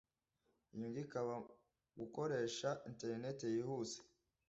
inyungu ikaba ku gukoresha Internet yihuse